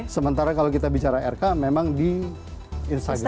sementara kalau kita bicara rk memang di instagram